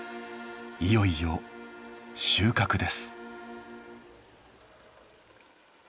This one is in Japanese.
いよいよ収穫です。